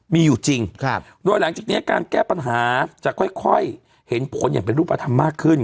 มีอยู่จริงโดยหลังจากนี้การแก้ปัญหาจะค่อยเห็นผลอย่างเป็นรูปธรรมมากขึ้น